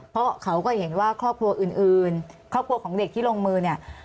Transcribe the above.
เพราะเขาก็เห็นว่าครอบครัวอื่นครอบครัวของเด็กที่ลงมือเนี่ย